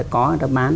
có người ta bán